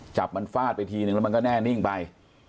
จับมันฟาดไปทีนึงแล้วมันก็แน่นิ่งไป